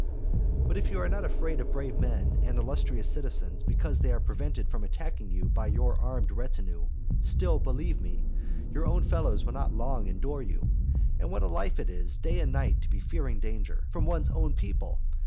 But if you are not afraid of brave men and illustrious citizens, because they are prevented from attacking you by your armed retinue, still, believe me, your own fellows will not long endure you. And what a life is it, day and night to be fearing danger from one's own people!